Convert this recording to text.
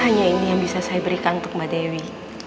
hanya ini yang bisa saya berikan untuk mbak dewi